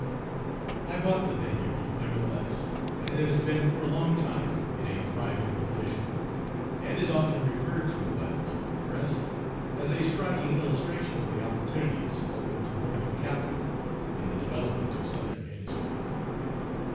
I bought the vineyard, nevertheless, and it has been for a long time in a thriving condition, and is often referred to by the local press as a striking illustration of the opportunities open to Northern capital in the development of Southern industries.